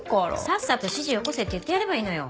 さっさと指示よこせって言ってやればいいのよ。